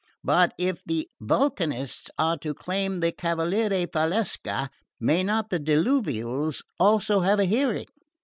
But if the Vulcanists are to claim the Cavaliere Valsecca, may not the Diluvials also have a hearing?